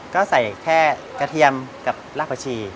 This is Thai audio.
ก็ใส่แค่กระเทียมกับรากผักชี